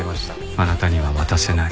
あなたには渡さない。